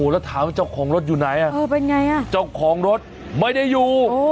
แล้วถามว่าเจ้าของรถอยู่ไหนอ่ะเออเป็นไงจ้าวของรถไม่ได้อยู่